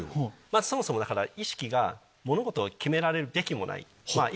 そもそも意識が物事を決められるべきもない。